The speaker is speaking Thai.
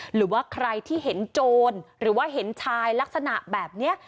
หรือว่าใครที่เห็นโจรหรือว่าเห็นชายลักษณะแบบนี้